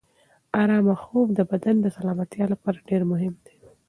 ارامه خوب د بدن د سلامتیا لپاره ډېر مهم دی.